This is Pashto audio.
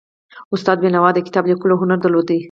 استاد بینوا د کتاب لیکلو هنر درلود.